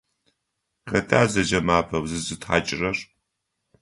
Хэта зэкӏэм апэу зызытхьакӏырэр?